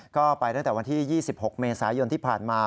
ก็ไปตั้งแต่วันที่๒๖เมษายนที่ผ่านมา